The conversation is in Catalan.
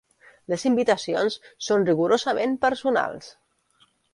Les invitacions són rigorosament personals.